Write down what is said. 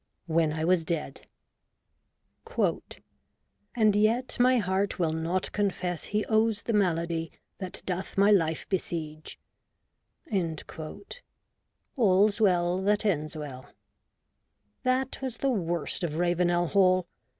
WHEN I WAS DEAD WHEN I WAS DEAD "And yet my heart Will not confess he owes the malady That doth my life besiege." — AU*s Well thai Ends Well. That was the worst of Ravenel Hall.